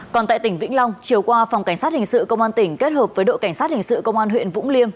còn tại tỉnh vĩnh long chiều qua phòng cảnh sát hình sự công an tỉnh kết hợp với đội cảnh sát hình sự công an huyện vũng liêm